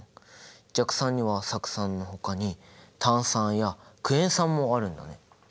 弱酸には酢酸のほかに炭酸やクエン酸もあるんだね。